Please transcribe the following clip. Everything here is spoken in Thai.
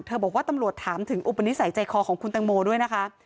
บอกว่าตำรวจถามถึงอุปนิสัยใจคอของคุณตังโมด้วยนะคะ